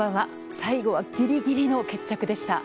最後はギリギリの決着でした。